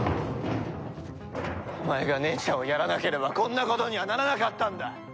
お前が姉ちゃんをやらなければこんなことにはならなかったんだ！